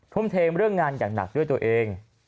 ทุ่มเทเรื่องงานอย่างหนักด้วยตัวเอง